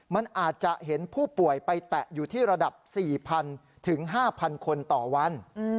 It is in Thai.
มันอาจจะเห็นผู้ป่วยไปแตะอยู่ที่ระดับ๔๐๐๐ถึง๕๐๐คนต่อวัน